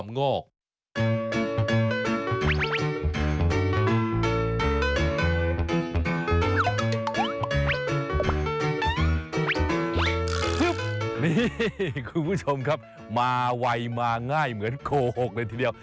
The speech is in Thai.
นี่คุณผู้ชมครับมาไวมาง่ายเหมือนโกหกเลยทีเดียว